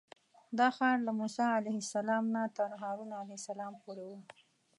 دا ښار له موسی علیه السلام نه تر هارون علیه السلام پورې و.